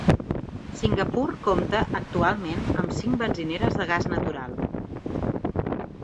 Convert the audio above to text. Singapur compta actualment amb cinc benzineres de gas natural.